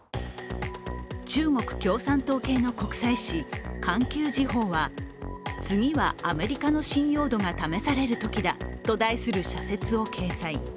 中国・共産党系の国際紙「環球時報」は次はアメリカの信用度が試されるときだと題する社説を掲載。